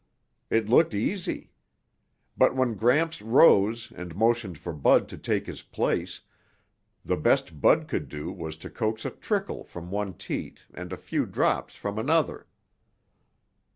It looked easy. But when Gramps rose and motioned for Bud to take his place, the best Bud could do was to coax a trickle from one teat and a few drops from another.